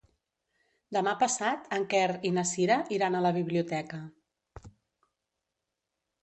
Demà passat en Quer i na Cira iran a la biblioteca.